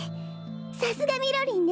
さすがみろりんね！